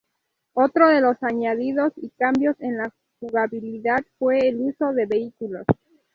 Otro de los añadidos y cambios en la jugabilidad fue el uso de vehículos.